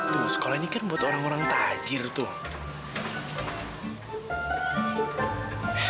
tuh sekolah ini kan buat orang orang tajir tuh